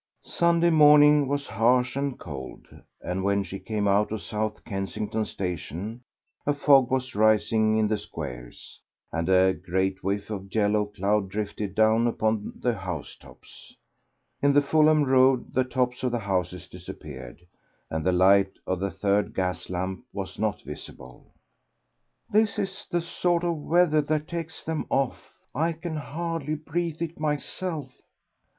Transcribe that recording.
Sunday morning was harsh and cold, and when she came out of South Kensington Station a fog was rising in the squares, and a great whiff of yellow cloud drifted down upon the house tops. In the Fulham road the tops of the houses disappeared, and the light of the third gas lamp was not visible. "This is the sort of weather that takes them off. I can hardly breathe it myself."